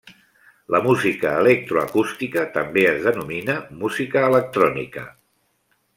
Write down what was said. La Música electroacústica també es denomina música electrònica.